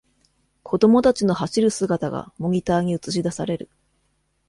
子供たちの走る姿がモニターに映しだされる